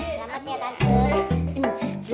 selamat ini lancar